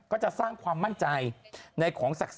ก็จะสร้างความมั่นใจ